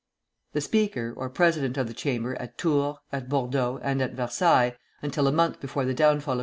The Speaker, or President of the Chamber, at Tours, at Bordeaux, and at Versailles, until a month before the downfall of M.